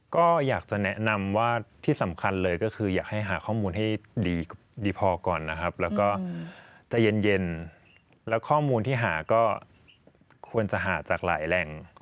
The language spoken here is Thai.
ก็อยากจะแนะนำว่าที่สำคัญเลยก็คืออยากให้หาข้อมูลให้ดีพอก่อนนะครับแล้วก็ใจเย็นแล้วข้อมูลที่หาก็ควรจะหาจากหลายแหล่ง